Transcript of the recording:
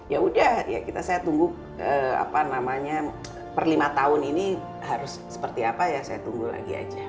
ya udah ya saya tunggu apa namanya per lima tahun ini harus seperti apa ya saya tunggu lagi aja